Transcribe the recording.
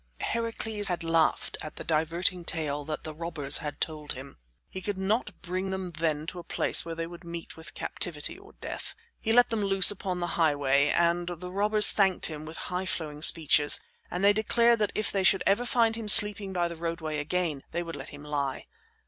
Heracles had laughed at the diverting tale that the robbers had told him; he could not bring them then to a place where they would meet with captivity or death. He let them loose upon the highway, and the robbers thanked him with high flowing speeches, and they declared that if they should ever find him sleeping by the roadway again they would let him lie.